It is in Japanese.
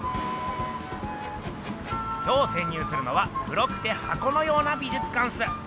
今日せん入するのは黒くて箱のような美術館っす。